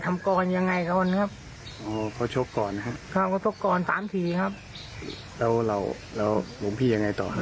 โดนก่อนยังไงก่อนครับพอชกก่อนครับพอชกก่อน๓ทีครับแล้วหลวงพี่ยังไงต่อครับ